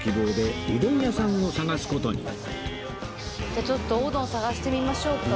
じゃあちょっとおうどん探してみましょうか。